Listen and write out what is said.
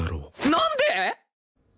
なんで！？